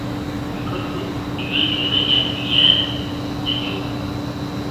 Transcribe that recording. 语料库语言学的语言研究。